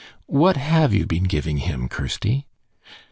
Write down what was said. "What have you been giving him, Kirsty?"